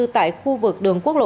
tại khu vực đường quốc lộ